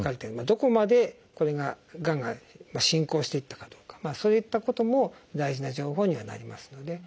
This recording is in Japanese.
どこまでこれががんが進行していったかどうかそういったことも大事な情報にはなりますので。